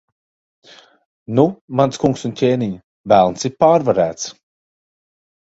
Nu, mans kungs un ķēniņ, Velns ir pārvarēts.